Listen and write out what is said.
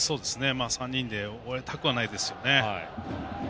３人で終わりたくはないですよね。